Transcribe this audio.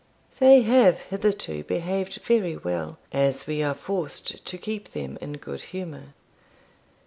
They have hitherto behaved very well, as we are forced to keep them in good humour.